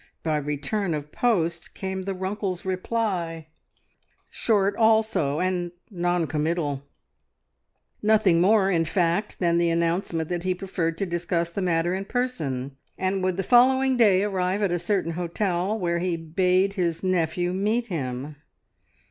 By return of post came the Runkle's reply, short also, and non committal nothing more, in fact, than the announcement that he preferred to discuss the matter in person, and would the following day arrive at a certain hotel, where he bade his nephew meet him.